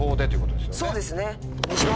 そうですね。